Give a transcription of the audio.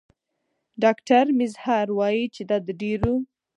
ډاکټر میزهر وايي دا چې د ډېرو